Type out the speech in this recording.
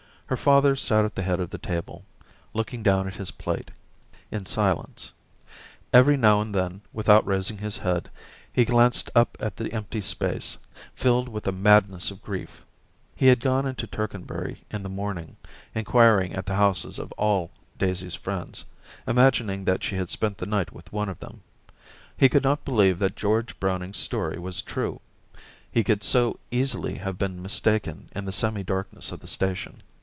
Her father sat at the head of the table, looking down at his plate, in silence ; every now and then, without raising his head, he glanced up at the empty space, filled with a madness of grief. ... Hehadgoneinto Tercanbury in the morning, inquiring at the houses of all Daisy s friends, imagining that she had spent the night with one of them. He could not believe that George Browning^s story was true, he could so easily have been mistaken in the semi darkness of the station.